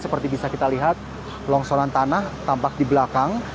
seperti bisa kita lihat longsoran tanah tampak di belakang